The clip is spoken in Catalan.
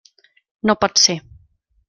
No pot ser.